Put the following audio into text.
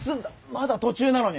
まだ途中なのに。